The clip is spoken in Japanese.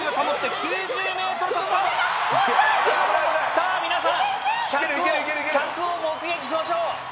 さぁ皆さん１００を目撃しましょう。